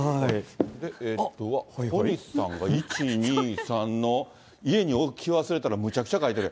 小西さんが１、２、３の家に置き忘れたらむちゃくちゃ書いてる。